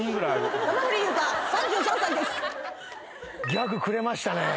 ギャグくれましたね。